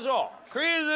クイズ。